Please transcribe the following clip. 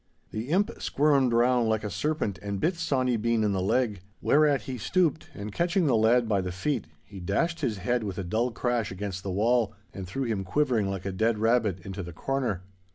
The imp squirmed round like a serpent and bit Sawny Bean in the leg, whereat he stooped, and catching the lad by the feet, he dashed his head with a dull crash against the wall, and threw him quivering like a dead rabbit into the corner.